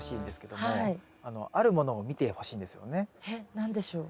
何でしょう？